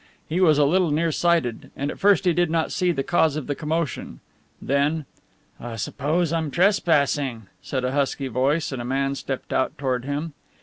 He was a little nearsighted, and at first he did not see the cause of the commotion. Then: "I suppose I'm trespassing," said a husky voice, and a man stepped out toward him.